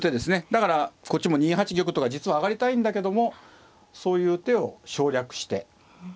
だからこっちも２八玉とか実は上がりたいんだけどもそういう手を省略してやってますよね。